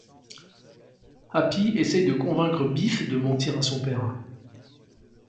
Happy essaie de convaincre Biff de mentir à son père.